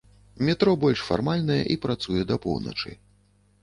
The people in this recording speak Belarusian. Метро больш фармальнае і працуе да поўначы.